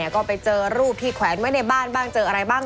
ก็ไปเจอรูปที่แขวนไว้ในบ้านบ้างเจออะไรบ้าง